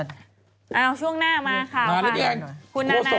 ช่วงหน้ามาขอบคุณค่ะ